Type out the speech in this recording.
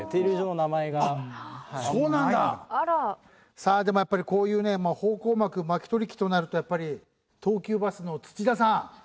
さあでもやっぱりこういうね方向幕巻き取り機となるとやっぱり東急バスの土田さん。